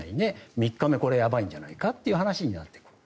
３日目、これやばいんじゃないかという話になってくる。